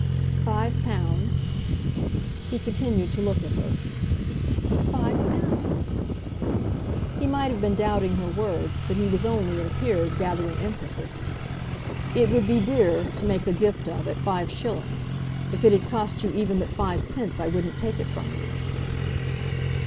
"Five pounds?" He continued to look at her. "Five pounds." He might have been doubting her word, but he was only, it appeared, gathering emphasis. "It would be dear to make a gift of at five shillings. If it had cost you even but five pence I wouldn't take it from you."